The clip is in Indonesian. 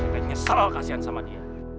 saya nyesel ah kasihan sama dia